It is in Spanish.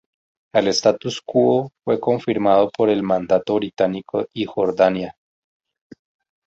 El "statu quo" fue confirmado por el Mandato Británico y Jordania.